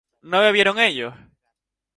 ¿no bebieron ellos?